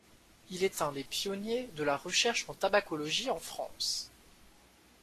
Il est un des pionniers de la recherche en tabacologie en France.